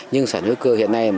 nhưng sản xuất hữu cơ hiện nay